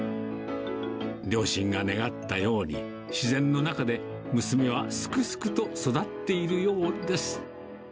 両親が願ったように、自然の中で娘はすくすくと育っているようです。